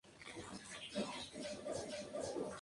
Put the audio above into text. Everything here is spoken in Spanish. Sin embargo, los editores ignoraron su trabajo.